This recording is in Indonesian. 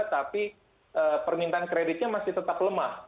tapi permintaan kreditnya masih tetap lemah